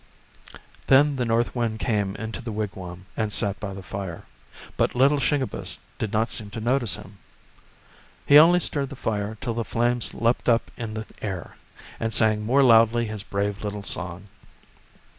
Then the North Wind came into the wigwam and sat by the fire, but little Shingebiss did not seem to notice him. 16 The Birth of Tecumseh He only stirred the fire till the flames leaped up in the air, and sang more loudly his brave little song.